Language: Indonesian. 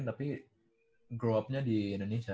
tapi grow up nya di indonesia